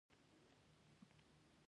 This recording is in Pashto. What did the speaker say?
دوی د بریښنا په لینونو باندې ګزمې کوي